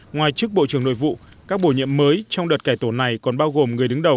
ngoài chức bộ trưởng nội vụ các bổ nhiệm mới trong đợt cải tổ này còn bao gồm người đứng đầu